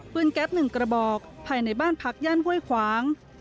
ปืนแก๊บ๑กระบอกภายในบ้านพักย่านเว่ยคว้าง